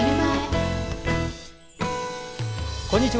こんにちは。